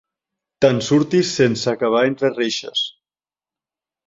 Te'n surtis sense acabar entre reixes.